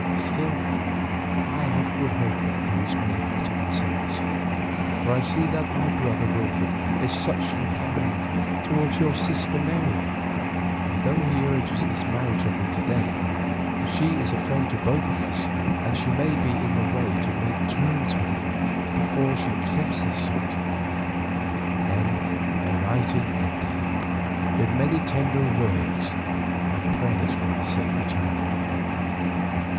Still I have good hope that things may better themselves, for I see that my brother Wilfred is much inclined towards your sister Mary, and though he also urges this marriage on me to day, she is a friend to both of us and may be in the way to make terms with him before she accepts his suit." Then the writing ended with many tender words and prayers for my safe return.